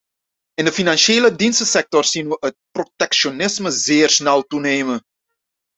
In de financiële dienstensector zien we het protectionisme zeer snel toenemen.